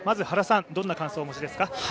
どんな感想をお持ちですか？